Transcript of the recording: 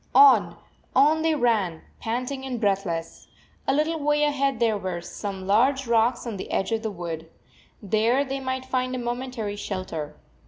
On, on they ran, panting and breathless. A little way ahead there were some large rocks on the edge of the wood. There they might find a momentary shelter.